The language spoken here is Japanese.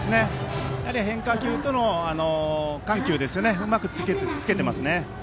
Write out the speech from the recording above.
やはり変化球との緩急をうまくつけていますね。